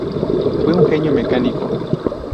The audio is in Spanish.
Fue un genio mecánico.